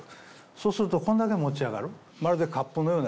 そうするとこんだけ持ち上がる。